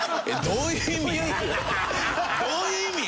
どういう意味？